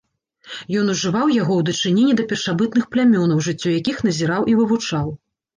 Ён ужываў яго ў дачыненні да першабытных плямёнаў, жыццё якіх назіраў і вывучаў.